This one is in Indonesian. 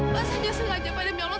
pas aja sengaja pak